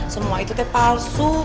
semua itu palsu